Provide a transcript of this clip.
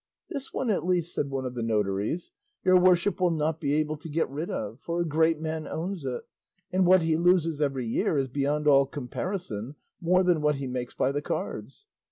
"This one at least," said one of the notaries, "your worship will not be able to get rid of, for a great man owns it, and what he loses every year is beyond all comparison more than what he makes by the cards.